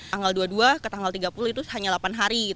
tanggal dua puluh dua ke tanggal tiga puluh itu hanya delapan hari